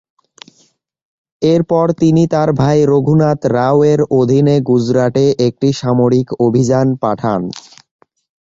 এরপর তিনি তার ভাই রঘুনাথ রাও-এর অধীনে গুজরাটে একটি সামরিক অভিযান পাঠান।